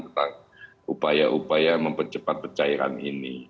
tentang upaya upaya mempercepat pencairan ini